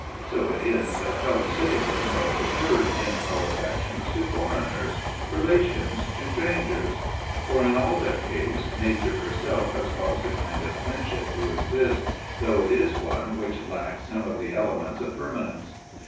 So it is that fellow citizens are preferred in our affections to foreigners, relations to strangers; for in their case Nature herself has caused a kind of friendship to exist, though it is one which lacks some of the elements of permanence.